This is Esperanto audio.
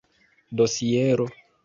dosiero